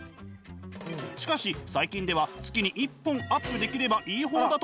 しかし最近では月に１本アップできればいい方だとか。